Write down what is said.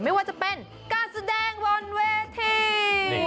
ไม่ว่าจะเป็นการแสดงบนเวที